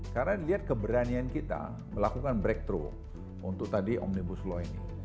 karena lihat keberanian kita melakukan breakthrough untuk tadi omnibus law ini